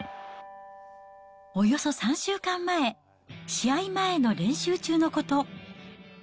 およそ３週間前、試合前の練習中のこと。